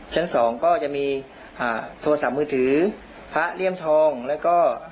ชั้นสองก็จะมีโทรศัพท์มือถือพระเลี่ยมทองแล้วก็